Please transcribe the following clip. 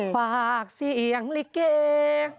ภาคเสียงลิกเกย์